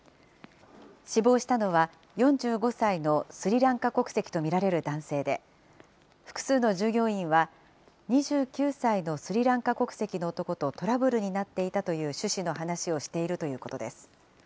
死亡したのは、４５歳のスリランカ国籍と見られる男性で、複数の従業員は、２９歳のスリランカ国籍の男とトラブルになっていたという趣旨の話をしているということです。